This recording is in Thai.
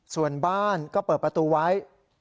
ส่วนบ้านก็เปิดประตูไว้